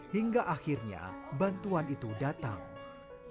hingga akhirnya bantuan itu datang